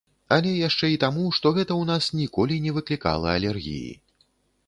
Але яшчэ і таму, што гэта ў нас ніколі не выклікала алергіі.